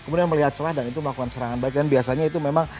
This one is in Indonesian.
kemudian melihat celah dan itu melakukan serangan baik dan biasanya itu memang